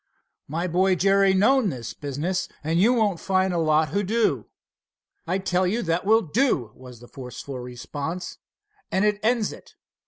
"My boy, Jerry, knows this business, and you won't find a lot who do." "I tell you that will do," was the forcible response, "and it ends it.